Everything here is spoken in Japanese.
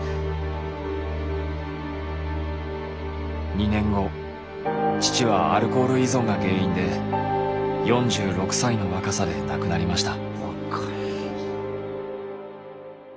２年後父はアルコール依存が原因で４６歳の若さで亡くなりました。